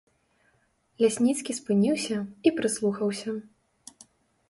Лясніцкі спыніўся і прыслухаўся.